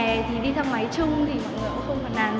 mùa hè thì đi thang máy chung thì mọi người cũng không còn làm gì